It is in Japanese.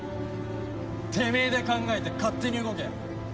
てめえで考えて勝手に動け。